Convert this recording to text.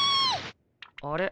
あれ？